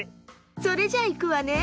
それじゃいくわね。